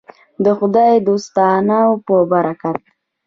د خدای دوستانو په برکت.